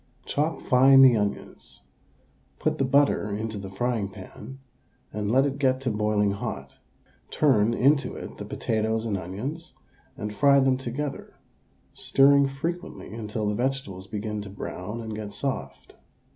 Chop fine the onions. Put the butter into the frying pan, and let it get boiling hot, turn into it the potatoes and onions, and fry them together, stirring frequently until the vegetables begin to brown and get soft.